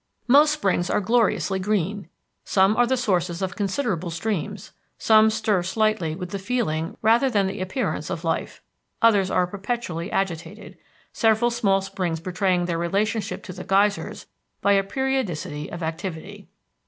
Most springs are gloriously green. Some are the sources of considerable streams. Some stir slightly with the feeling rather than the appearance of life; others are perpetually agitated, several small springs betraying their relationship to the geysers by a periodicity of activity.